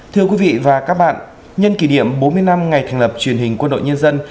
thưa quý vị và các bạn nhân kỷ niệm bốn mươi năm ngày thành lập truyền hình quân đội nhân dân